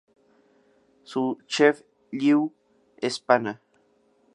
Su "chef-lieu" es Pana.